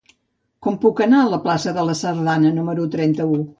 Com puc anar a la plaça de la Sardana número trenta-u?